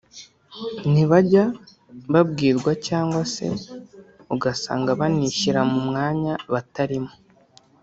ntibajya babwirwa cyangwa se ugasanga banishyira mu mwanya batarimo